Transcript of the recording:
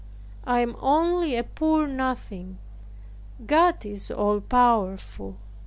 I am only a poor nothing. God is all powerful.